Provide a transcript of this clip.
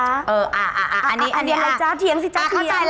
อันนี้อะไรจ้ะเทียงสิจ๊ะเทียง